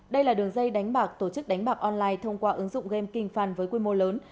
đây là đường dây đánh bạc tổ chức đánh bạc online thông qua ứng dụng game kinh fan với quy mô lớn